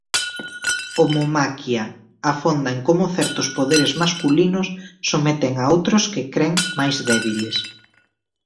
'Homomaquia' afonda en como certos poderes masculinos someten a outros que cren máis débiles.